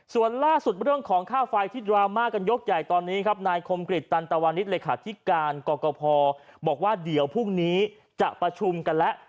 ส่วนล่าสุดเรื่องของค่าไฟที่ดราม่ากันยกใหญ่ตอนนี้ครับนายคมกริจตันตวานิสเลขาธิการกรกภบอกว่าเดี๋ยวพรุ่งนี้จะประชุมกันแล้ว